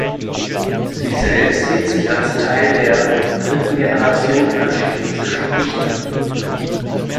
Sie selbst sieht sich als Teil der "dritten Generation an chinesischen Dichtern".